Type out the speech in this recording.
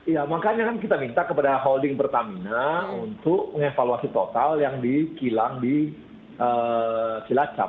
ya makanya kan kita minta kepada holding pertamina untuk mengevaluasi total yang di kilang di cilacap